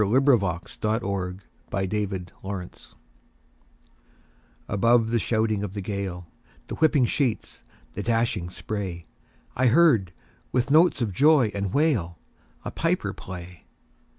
Clinton Scollard Bag Pipes at Sea ABOVE the shouting of the gale, The whipping sheet, the dashing spray,I heard, with notes of joy and wail,A piper play.